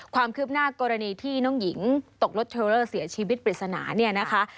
ความคืบหน้ากรณีที่น้องหญิงตกรถเทรเลอร์เสียชีวิตปริศนาเนี่ยนะคะ